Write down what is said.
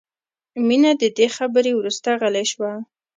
مینه د دې خبرو وروسته غلې شوه